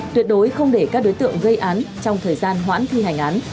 tuyệt đối không để các đối tượng gây án trong thời gian hoãn thi hành án